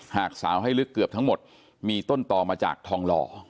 หากสาวให้ลึกเกือบทั้งหมดมีต้นต่อมาจากทองหล่อ